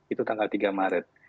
itu tanggal tiga maret